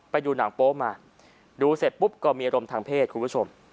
ไปดูหนังโป๊มาดูเสร็จปุ๊บก็มีอารมณ์ทางเพศคุณผู้ชม